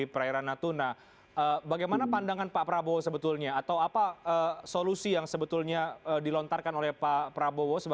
terima kasih pak prabowo